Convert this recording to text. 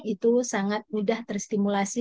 itu sangat mudah terstimulasi